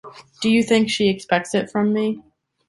Do you think she expects it from me?